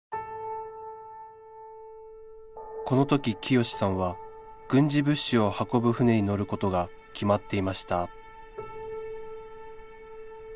このとき潔さんは軍事物資を運ぶ船に乗ることが決まっていました